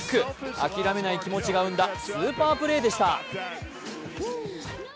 諦めない気持ちが生んだスーパープレーでした。